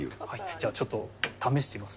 じゃあちょっと試してみます